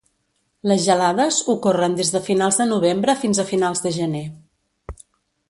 Les gelades ocorren des de finals de novembre fins a finals de gener.